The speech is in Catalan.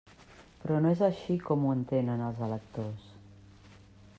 Però no és així com ho entenen els electors.